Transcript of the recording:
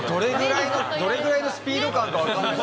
どれぐらいのスピード感か分かんない。